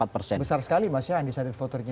besar sekali mas ya undecided voternya